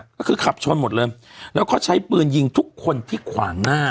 ก็คือขับชนหมดเลยแล้วก็ใช้ปืนยิงทุกคนที่ขวางหน้า